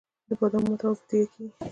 د بادامو ماتول په تیږه کیږي.